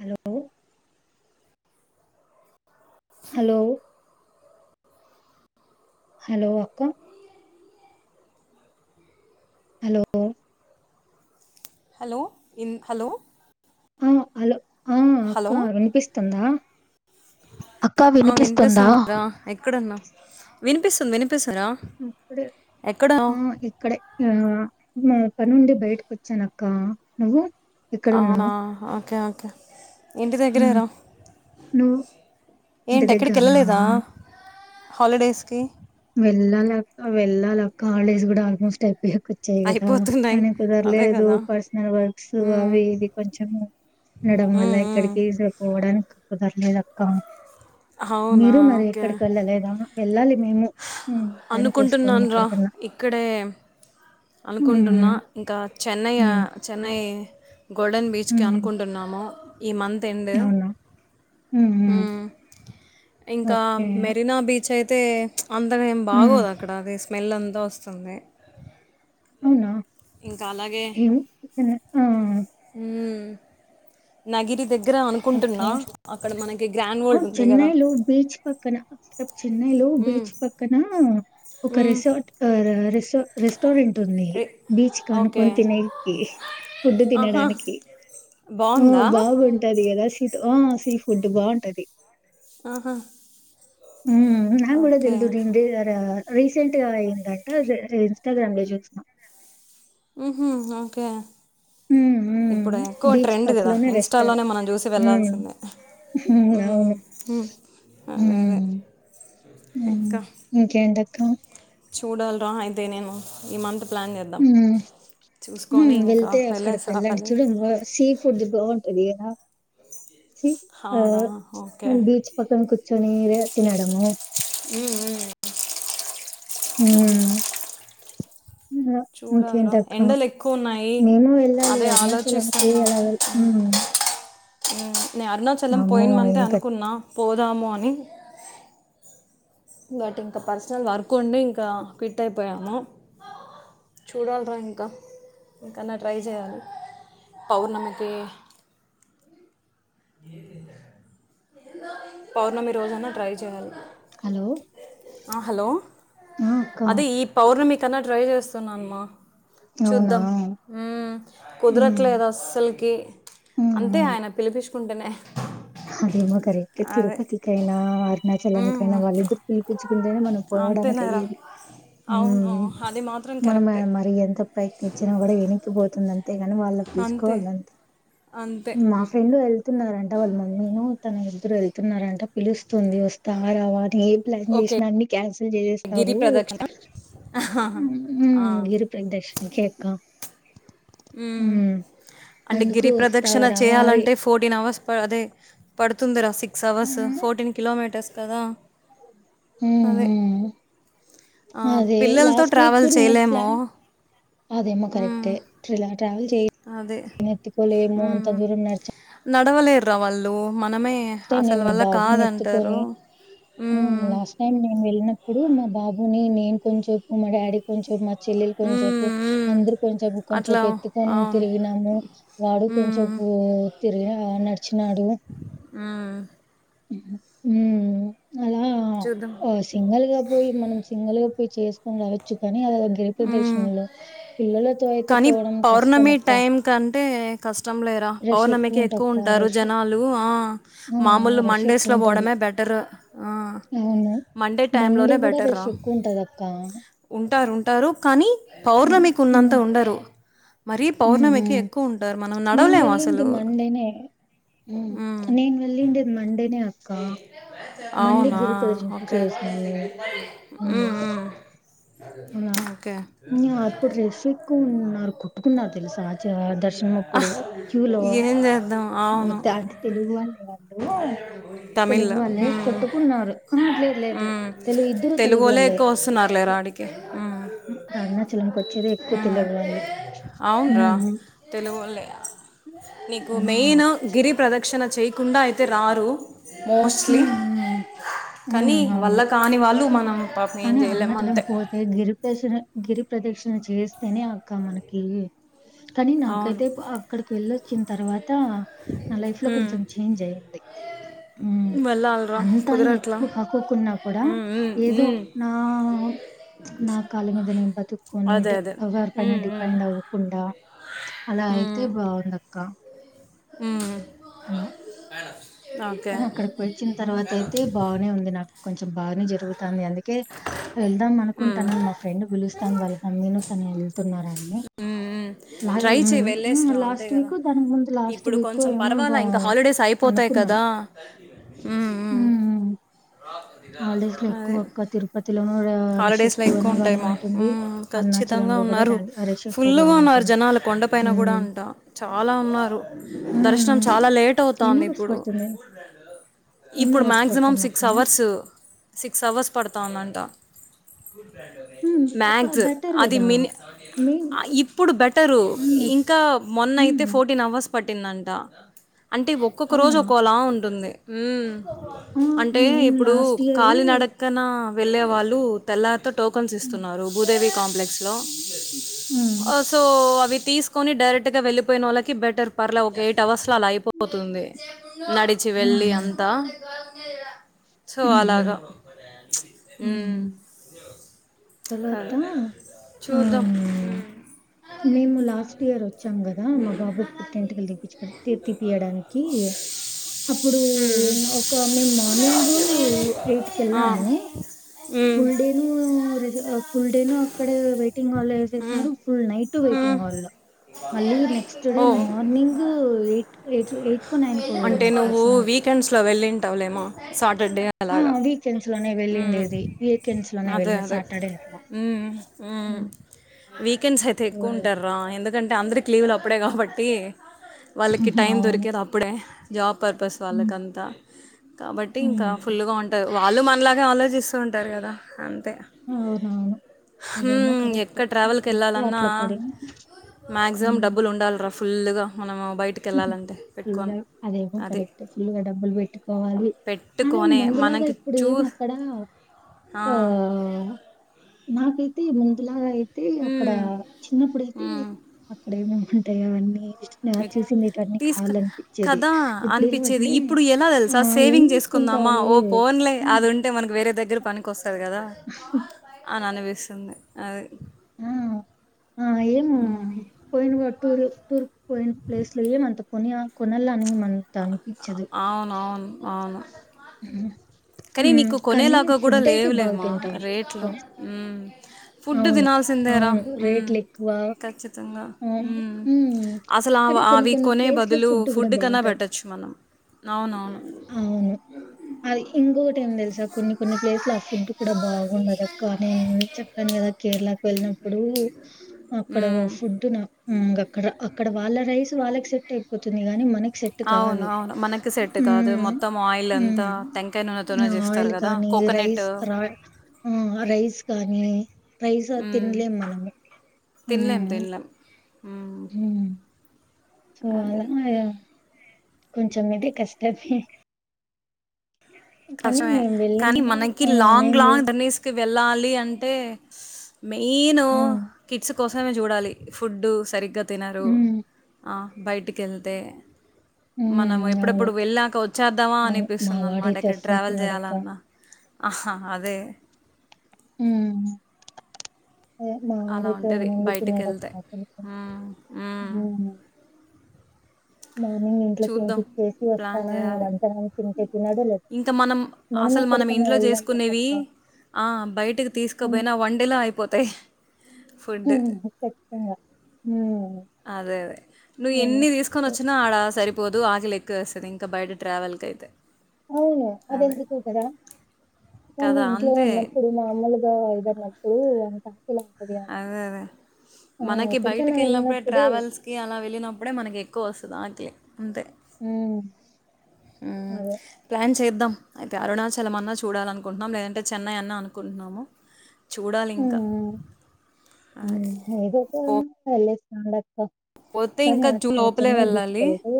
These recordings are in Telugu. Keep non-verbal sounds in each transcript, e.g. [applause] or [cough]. హలో హలో హలో అక్క హలో హలో ఇన్ హలో ఆ హలో ఆ హలో అక్క వినిపిస్తుందా అక్క ఆ వినిపిస్తుందా వినిపిస్తుందిరా ఎక్కడున్నా వినిపిస్తుంది వినిపిస్తుందిరా ఇప్పుడే ఎక్కడ ఆ ఇక్కడే ఆ మా పనుండి బయటకు ఒచ్చానక్క నువ్వు అవునా ఎక్కడున్నావు ఓకే ఓకే ఇంటి ఉమ్, దగ్గరేర నువ్వు ఇంటి ఏంటి దగ్గర ఉన్నావా ఎక్కడికెళ్ళలేదా హాలిడేస్కి వెళ్ళాలక్ వెళ్ళాలక్క హాలిడేస్ కూడా ఆల్మోస్ట్ అయిపోయా వచ్చాయి కదా అయిపోతున్నాయి కానీ అదే కుదరలేదు కదా పర్సనల్ వర్క్స్ ఉమ్, అవి ఇవి కొంచెము ఉండడం వల్ల ఉమ్, ఉమ్. ఎక్కడికి స పోవడానికి కుదరలేదు అక్క అవునా మీరు మరి ఓకే ఎక్కడికి వెళ్ళలేదా వెళ్ళాలి మేము హ్మ్. టైం చూసుకొని అనుకుంటున్నాను రా ఎక్కడికన్నా. ఇక్కడే హ్మ్. అనుకుంటున్నా హ్మ్. ఇంకా చెన్నై ఆ హ్మ్. చెన్నై గోల్డెన్ బీచ్కి హ్మ్. అనుకుంటున్నాము ఈ మంత్ ఎండ్ అవునా? హ్మ్. హ్మ్. ఉమ్ ఇంకా ఓకే. మెరీనా బీచైతే అంతగ ఏం హ్మ్. బాగోదు అక్కడ అది స్మెల్ అంతా వస్తుంది అవునా ఇంక అలాగే ఏం చెన్నై ఆ! ఉమ్ నగిిరి దగ్గరా అను ఓకే. కుంటున్నా అక్కడ మనకి గ్రాండ్ వోల్డ్ అవును ఉంది కదా చెన్నైలో బీచ్ పక్కన అక చెన్నై లో మ్మ్, బీచ్ పక్కనా ఒక మ్మ్, రిసార్ట్ అ ర రిసో రిస్ స్టారెంట్ ఉంది రి- బీచ్ కి ఓకే ఆనుకొని తినే [unintelligible] ఫుడ్ తినడానికి ఆ! బావుందా బాగుంటది కదా సీతో ఆ సీ ఫుడ్ బావుంటది ఆహా ఉమ్ నాకూడా ఓకే తెల్దుం డిం డి డ రా రీసెంట్ గా అయిందంట ర రి ఇన్స్టాగ్రామ్ లో చూసినా ఊహు ఓకే ఉమ్ ఇప్పుడు ఎక్కువ ట్రెండ్ కదా ఇన్స్టాలోనే మనం చూసి వెళ్లాల్సిందే ఉహు అవును అదే అదే హ్మ్. ఇంక ఇంకేటక్కా చూడాల్రా హైయితే నేను ఈ మంత్ ప్లాన్ చేద్దాం హ్మ్. చూసుకొని హ్మ్. ఇంకా వెళ్తే అక్కడికి వెళ్ళేసి వెళ్ళండి. రావాలి చూడు సీ ఫుడ్ బావుంటది కదా సీ ఆ అవునా ఓకే అ బీచ్ పక్కన కుర్చుని తినడము ఉ ఉ ఉ హ్మ్. చూడాలిరా ఇంకేంటక్క ఎండలు ఎక్కువ ఉన్నాయి మేము వెళ్ళాలి అదే అరుణాచలంకి ఆలోచిస్తున్నా ఎలా వె ఉమ్ నే అరుణాచలం అమ్మో! పోయినమంతే ఇంక అనుకున్నా పోదాము అని బట్ ఇంకా పర్సనల్ వర్క్ ఉండి ఇంకా క్విట్ అయిపోయాము చూడాల్రా ఇంకా ఇంకన్నా ట్రై చేయాలి పౌర్ణమికి పౌర్ణమి రోజున ట్రై చే హలో! ఆ హలో ఆ! అక్క. అదే ఈ పౌర్ణమికన్నా ట్రై చేస్తున్నామ్మా చూద్దాం అవునా? ఉమ్ హ్మ్. కుదరట్లేదు అస్సలుకి హ్మ్. అంతే హ్మ్. ఆయన పిలిపిచుకుంటేనే అదేమో కరెక్ట్ తిరుపతికైనా అరుణాచలంకైనా మ్మ్. వాళ్ళిద్దరు పిలిపిచు కుంటేనే మనం పోవడానికి అంతేనారా అయ్యేది అవును అది మాత్రం మనం కరెక్టే మరి ఎంత ప్రయ తెచ్చిన కూడా ఎనక్కి పోతుంది అంతే గాని వాళ్ళ అంతే పిలుచుకోవాలంతే అంతే మా ఫ్రెండు వెల్ తున్నారంట వాళ్ళ మమ్మీను తన ఇద్దరు ఎళ్తున్నారంట పిలుస్తుంది వస్తవ రావ అని ఎ ప్లాన్ ఓకే చేసినా అన్ని క్యాన్సిల్ గిరి చేసేసుతావు ప్రదక్షిణ ఆ, ఉమ్ ఇరు బ్రేక్ దర్శన్ కేక అంటే అందుకు గిరి వస్తావా? ప్రదక్షిణ రావా? అవి చేయాలంటే ఫోర్టీన్ అవర్స్ ప అదే పడుతుందిరా సిక్స్ అవర్స్ హ్మ్. ఫోర్టీన్ కిలోమీటర్స్ కదా హ్మ్. అదే హ్మ్. ఆ అదే పిల్లలతో లాస్ట్ వీక్ ట్రావెల్ నేను చేయలేము ప్లా అదేమో హ్మ్ కరెక్టే ఇలా ట్రావెల్ చేయ అదే ఎత్కోలేమో అంత హ్మ్ దూరం నడిచ నడవలేరురా వాళ్ళు మనమే ట్ తే అసలు నేను వాళ్ళ బాబుని ఎత్తుకొని కాదంటారు ఉమ్ హ్మ్ లాస్ట్ టైం నేను వెళ్ళిన అప్పుడు మా బాబుని నేను కొంచేపు మా డాడీ కొంచేపు మా చెల్లెలు కొంచేపు హ్మ్ హ్మ్ అందరు కొంచేపు అట్లా కొంచేపు ఎత్తుకొని అవును తిరిగినాము వాడు హ్మ్ కొంచేపు తిరిగిన నడిచినాడు ఆ హ్మ్మ్ చూద్దం సింగిల్ గా పోయి మనం సింగిల్ గా పోయి చేసుకొని రావచ్చు కానీ అ హ్మ్ గిరిప్రదక్షిణ లో పిల్లలతో అయితే కానీ పోవడం కష్టం పౌర్ణమి అక్కా టైం కంటే కష్టం రష్ ఎక్కువ. టక్క రష్. డు ఆ ఆ మామూలు రష్ మండేస్ లో ఎక్కువ ఉంటది. పోవడమే బెటరు ఆ. అవును. మండే టైంలోనే గూడా బెటర్ రా. రష్ ఎక్కువ ఉంటది అక్క. ఉంటారు ఉంటారు కానీ హ్మ్. పౌర్ణమికు ఉన్నంత హ్మ్. ఉండరు. మరీ హ్మ్. పౌర్ణమికి హ్మ్. ఎక్కువ ఉంటారు మనం నేను నడవలేము అసలు. వెళ్ళింది మండేనే. మ్మ్. నేను వెళ్ళిండేది మండేనే అక్కా. మండి అవునా గిరి ప్రదర్శన ఓకే చేసినం మేము మ్మ్, ఉ. మ్మ్. అలా ఓకే నా అప్పుడు రష్ కున్నారు కొట్టుకున్నారు తెలుసా ఆ దర్శనం ఆ, అప్పుడు క్యూలో. ఏం చేద్దాం ఓ అవును తది తెలుగు వాళ్ళే వాళ్ళు తమిళ్ తెలుగు వాళ్ళే. మ్మ్. కొట్టుకున్నారు లేదు లేదు మ్మ్. తెలుగు ఇద్దరు తెలుగు వాళ్ళే వాల్లే. ఎక్కువ వస్తున్నారు లేరా ఆడికి మ్మ్. అరుణాచలం కి వచ్చేది ఎక్కువ తెలుగు వాళ్ళే అవునరా ఊహు. తెలుగు వాళ్లే నీకు ఆ! మెయిన్ గిరి ప్రదక్. రక్షణ చేయకుండా అయితే రారు. మోస్ట్లీ హ్మ్. హ్మ్. హ్మ్. కానీ అవును. వాళ్ళ కాని వాళ్ళు మనం. ఏం కానీ చేయలేము అరుణాచలం అంతే పో. పోతే గిరి ప్రదక్షిణ గిరి ప్ర్రదక్షిణ చేస్తేనే అక్కా మనకి. కానీ అవును నాకైతే అక్కడికి వెళ్ళొచ్చిన తర్వాత నా లైఫ్ లో ఉమ్. కొంచెం చేంజ్ అయింది. వెళ్ళాలిరా అంతా కుదరట్లా ఎక్కువ కాకున్నా కూడా ఉమ్, ఉమ్, ఏదో. ఉమ్. ఆ. నా కాళ్ళ మీద నేను బతుకోని అదే అదే ఎవరి పైన ఉమ్, ఉమ్, డిపెండ్ అవ్వకుండా. అలా అయితే బాగుంది అక్కా. ఉ. ఆ. కానీ అక్కడికి పోయి వచ్చిన తర్వాత అయితే బాగానే ఉంది నాకు కొంచెం బాగానే జరుగుతాంది అందుకే. కే వెళ్దాం ఉమ్. అనుకుంటానని మా ఫ్రెండ్ బిలుస్తాన్ వాళ్ళ మమ్మీ తను వెళ్తున్నారని. హ్మ్ హ్మ్ లా ట్రై చెయి వెళ్ళేసిరా అంతే లాస్ట్ కదా వీకు తననికి ముందు లాస్ట్ వీక్ ఏవో. పోతాయి కదా. హ్మ్ హ్మ్ హ్మ్మ్. అదే. తిరుపతిలోనూ ర రష్ హాలిడేస్ లో ఎక్కువ ఎక్కువనగానే ఉంటారేమో ఉంటుంది. ఖచ్చితంగా అరుణాచలంలో కూడా ఉన్నారు. ర రష్ ఫుల్లుగా ఎక్కువగానే ఉన్నారు ఉంటుంది. జనాలు కొండ పైన కూడా హ్మ్. అంటా. చాలా ఉన్నారు దర్శనం హ్మ్. చాలా లేట్ ఎన్ని అవుతాంది అవర్స్ ఇప్పుడు. పడుతుంది? ఎన్ని ఇప్పుడు అవర్స్ మాక్సిమం పడుతుందక్క? సిక్స్ అవర్స్ సిక్స్ అవర్స్ పడతాందంట. హ్మ్. బ మక్స్ బెటర్ అది కదా! మిని. మే ఇప్పుడు బెటరు హ్మ్. ఇంకా మొన్నయితే హ్మ్. Fourteen hours. పట్టిందంటా అంటే ఒక్కొక్క రోజు అవునా? ఒక్కోలా ఉంటుంది ఊ. ఆ! అంటే మేము ఇప్పుడు లాస్ట్ ఇయరు కాలి నడక్కన వెళ్ళే వాళ్ళు తెల్లార్తా. టోకన్స్ హ్మ్. ఇస్తున్నారు భూదేవి కాంప్లెక్స్ లో హ్మ్. హ్మ్. సో అవి తీస్. కొని డైరెక్ట్ గా వెళ్లిపోయిన వాళ్ళకి బెటర్ పర్లే ఒక ఎయిట్వర్ లో అలా అయిపో. పోతుంది నడిచి హ్మ్. వెళ్లి అంతా. సో హ్మ్. అలాగా హ్మ్. హ్మ్మ్. తర్వాతా ఆ. మ్మ్. మేము లాస్ట్ ఇయర్ వచ్చాం గదా మా బాబు పుట్టివెంట్రుకలు తీర్ తీపియడానికి కి అప్పుడు ఓ ఒకే మేము మార్నింగు ఎయిట్ కి వెళ్ళాము ఫుల్ డేను రె ఫుల్ డేను అక్కడ వెయిటింగ్ హాల్ వేసేసినారు ఫుల్ నైట్ వెయిటింగ్ హాల్ లో మళ్ళీ నెక్స్ట్ డే మార్నింగ్ ఎయిట్ ఎయి ఎయిట్ కు నైన్ కో వెళ్ళినారూ దర్శనానికి లో వెళ్ళింటావులేమ సాటర్డే ఆ అలాగా వీకెండ్స్ లోనే మ్మ్. వెళ్ళిండేది. ఇది వీకెండ్స్ లోనే వెళ్ళింది సాటర్డే అట్లా ఉమ్ హ్మ్. వీకెండ్స్ అయితే ఎక్కువ ఓహ్! ఉంటారు ఎందుకంటే అందరికి లీవులు అప్పుడే కాబట్టి వాళ్ళకి హుహు. టైం అవును. దొరికేది ఆ ఇప్పుడే జాబ్ పర్పస్ హ్మ్. వాళ్ళకి అంతా కాబట్టి ఇంకా హ్మ్. ఫుల్గా ఉంటారు వాళ్ళు మనలాగే ఆలోచిస్తూ ఉంటారు. కదా అంతే అవునవును అదేమో కరెక్టే. ఎక్కడ ట్రావెల్కి హుహు. అప్పుడే వెళ్ళాలన్నా అట్లా పడింది. మ్యాక్సిమం హ్మ్. డబ్బులు ఉండాలిరా ఫుల్ గా మనము బయటకి ఫుల్గా అదేమో కరెక్ట్ ఫుల్గా డబ్బులు పెట్టుకోవాలి కని పెట్టుకొనే ముందులాగా మనకి ఇప్పుడు చూ ఏమి అక్కడా ఆ నాకైతే ముందులాగా అయితే అక్కడ హ్మ్. చిన్నప్పుడైతే హ్మ్. అక్కడ ఏమేమి ఉంటాయి అవన్నీ ఎక్ చూసి ఇటన్ని తీసుక కాలనిపించేది. కదా! ఇప్పుడు అనిపిచ్చేది. ఏమంటే ఇప్పుడు ఎలా ఆ తెలుసా ఏం సేవింగ్ చేస్ ఉంటావులే హా అంటే మనకు వేరే దగ్గర పనికి వస్తాది కదా అని అనిపిస్తుంది అది హమ్ ఆ ఏము హ్మ్. పోయిన వా టూర్ టూర్ పోయిన ప్లేస్ లో ఏమీ అంత కొని కొనాలని అంత అనిపించదు. అవును అవును అవును కానీ హ్మ్. నీకు కానీ కొనేలాగా కూడా ఫుడ్డయితే బాగా లేవులేమా తింటాం. రేట్లు ఫుడ్ అవును. తినాల్సిందేరా అవును. హమ్ రేట్లెక్కువ. ఖచ్చితంగా హ్మ్. హ్మ్. అసలు అవి కానీ కొన్ని అవి కొన్ని కొనే ప్లేస్‌లో బదులు గూడా ఫుడ్ కన్నా బావుంటది. పెట్టొచ్చు మనం అవునవును హ్ అది ఇంకొకటి ఏం తెలుసా కొన్ని కొన్ని ప్లేసులు ఆ ఫుడ్ కూడా బాగుండదు. అక్క నేను చేప్ ప్పాను కదా కేరళకు వెళ్ళినప్పుడు అక్కడ హ్మ్. ఫుడ్ అక్కడ అక్కడ వాళ్ళ రైస్ వాళ్ళకి సెట్ అయిపోతుంది. గాని మనకి సెట్ సెట్ అవును. కాదు అవును. మనకి సెట్ కాదు. ఉమ్ మొత్తం ఆయిల్ అంతా టెంకాయ ఉమ్ నూనెతోనే చేస్తారు ఆయిల్ గదా! కానీ కోకోనట్ రైస్ రా హ్ మ్ రైస్ గానీ రైస్ అది హ్మ్. తినలేం మనము హ్ ఉ హ్ సో అలా అదే. కొంచెం ఇది కష్టమే కానీ కష్టమే మేము వెళ్ళిన కానీ మనకి ఆ! లాంగ్ మేము వె లాంగ్ దాన్నిస్ వెళ్ళాలి అంటే మెయిను హ్మ్. కిడ్స్ కోసమే చూడాలి. ఫుడ్డు సరిగ్గా తినరు హ్మ్. ఆ బయటికి వెళ్తే మనం హ్మ్. అవును. ఎప్పుడెప్పుడు వెళ్ళాక వచ్చేద్దామా అవును. మా అనిపిస్తుంది. అన్న మాట వాడైతే ఎక్కడికి అస్సలు తినడక్క. ఆహా అదే ఉమ్ అలా మావడైతే ఉంటుంది ఉండింది బయటికి వెళ్తే తిన్నడక్క అసలకి మ్మ్, మ్మ్. మార్నింగ్ ఇంట్లో చూద్దాం తినిపిచ్చేసి ప్లాన్ వస్తానా ఇంకా చేయాలి మధ్యాహ్నం తింటేె తిన్నడు లేదా ఇంకా మనం అసలు మనం ఎక్కడికన్నా ఇంట్లో వెళ్దాం చేసుకునేవి చెప్పక్క. ఆ బయటకి హ్మ్. తీసుకోపోయినా వన్డేలో అయిపోతాయి ఫుడ్ హమ్ ఖచ్చితంగా హమ్ అదే అదే నువ్వు ఎన్ని దీస్ కొనొచ్చినా ఆడ సరిపోదు ఆకలి ఎక్కువ వేస్తదింకా బయట ట్రావెల్కయితే అవును అదేందుకో కదా కదా మనింట్లో అంతే ఉన్నప్పుడు మామ్ములు తా ఇదన్నప్పుడు అంత ఆకలవ్వదు యాడ. అదే అదే ఆ! మనకి ఎక్కడికన్నా బయటకెళ్ళినప్పుడే వెళ్ళినప్పుడు ట్రావెల్స్ కీ అలా వెళ్ళినప్పుడే మనకి ఎక్కువ ఒస్తద్ ఆక్లే అంతే ఉమ్ ఉమ్ ప్లాన్ చేద్దాం అయితే అరుణాచలం అన్నా చూడాలనుకుంటున్నాం లేదంటే చెన్నై అన్నా అనుకుంటున్నాము చూడాలింకా ఉమ్ ఏదోక వెళ్ళేస్ రాండక్ క పోతే కానీ ఇంకా జూన్ ఆ లోపలే చెన్నై బీచ్ వెళ్ళాలి కెళ్తే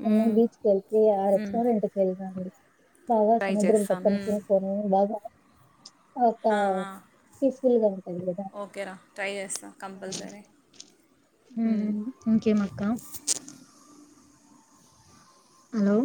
చెన్నై మ్మ్. బీచ్కిళ్తే ఆ మ్మ్. రెస్టారెంట్క్ వెల్ రండి కావల్స్ ట్రై నిద్రంటది చేస్తాను కని మ్మ్. తిన్ పొ ఉమ్ బాగా ఒక ఆ, ఆ. పీస్ఫుల్ గా ఉంటది గదా ఓకే రా ట్రై చేస్తా కంపల్సరీ ఉమ్ హ్మ్. ఇంకేమక్క హలో